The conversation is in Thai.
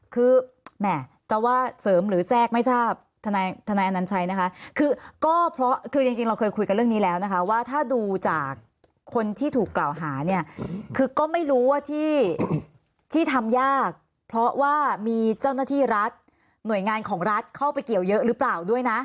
คือแหม่จะว่าเสริมหรือแทรกไม่ทราบทนายอนัญชัยนะคะคือก็เพราะคือจริงเราเคยคุยกันเรื่องนี้แล้วนะคะว่าถ้าดูจากคนที่ถูกกล่าวหาเนี่ยคือก็ไม่รู้ว่าที่ทำยากเพราะว่ามีเจ้าหน้าที่รัฐหน่วยงานของรัฐเข้าไปเกี่ยวเยอะหรือเปล่าด้วยนะ